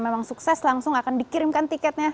memang sukses langsung akan dikirimkan tiketnya